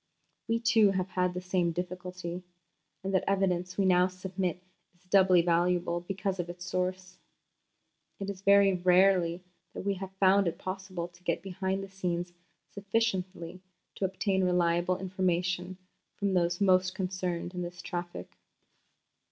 We, too, have had the same difficulty, and the evidence we now submit is doubly valuable because of its source. It is very rarely that we have found it possible to get behind the scenes sufficiently to obtain reliable information from those most concerned in this traffic.